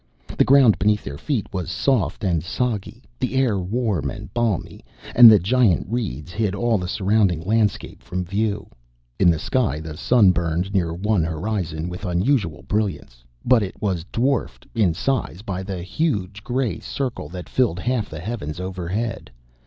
The ground beneath their feet was soft and soggy, the air warm and balmy, and the giant reeds hid all the surrounding landscape from view. In the sky the sun burned near one horizon with unusual brilliance. But it was dwarfed, in size, by the huge gray circle that filled half the heavens overhead.